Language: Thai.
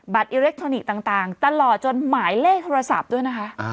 อิเล็กทรอนิกส์ต่างตลอดจนหมายเลขโทรศัพท์ด้วยนะคะ